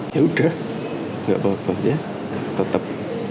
ya udah gak apa apa ya tetap